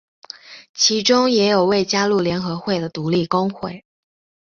其中也有未加入联合会的独立工会。